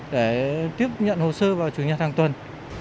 để tiếp nhận hồ sơ vào chủ nhật hàng tuần